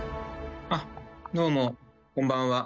どうも、こんばんは。